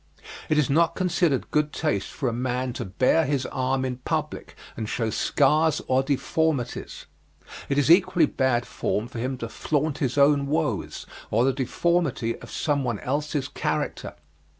It is not considered good taste for a man to bare his arm in public and show scars or deformities. It is equally bad form for him to flaunt his own woes, or the deformity of some one else's character.